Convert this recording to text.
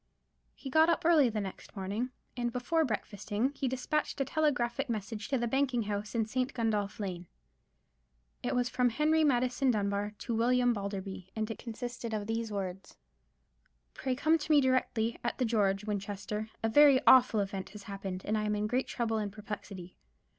He got up early the next morning, and before breakfasting he despatched a telegraphic message to the banking house in St. Gundolph Lane. It was from Henry Maddison Dunbar to William Balderby, and it consisted of these words:— "_Pray come to me directly, at the George, Winchester. A very awful event has happened; and I am in great trouble and perplexity.